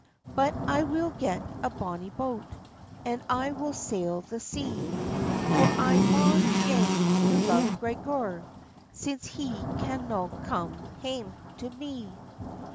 "But I will get a bonny boat, And I will sail the sea, For I maun gang to Love Gregor, Since he canno come hame to me."